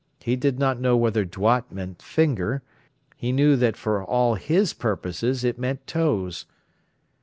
He did not know whether "doigts" meant "fingers"; he knew that for all his purposes it meant "toes".